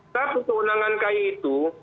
tapi perundangan ky itu